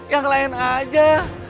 yang lain aja